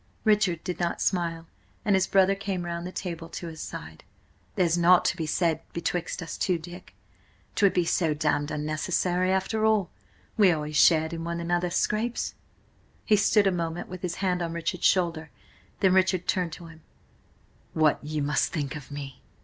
Richard did not smile, and his brother came round the table to his side. "There's nought to be said betwixt us two, Dick. 'Twould be so damned unnecessary. After all–we always shared in one another's scrapes!" He stood a moment with his hand on Richard's shoulder; then Richard turned to him "What you must think of me!"